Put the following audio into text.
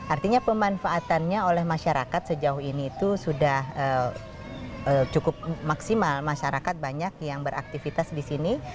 artinya pemanfaatannya oleh masyarakat sejauh ini itu sudah cukup maksimal masyarakat banyak yang beraktivitas di sini